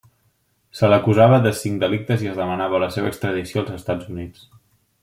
Se l'acusava de cinc delictes i es demanava la seva extradició als Estats Units.